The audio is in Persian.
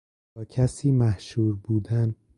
با کسی محشور بودن